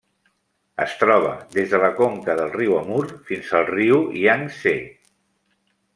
Es troba des de la conca del riu Amur fins al riu Iang-Tsé.